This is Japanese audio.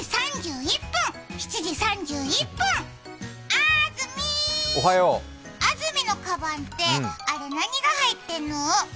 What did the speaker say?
あーずみー、安住のかばんってあれ、何が入ってるの？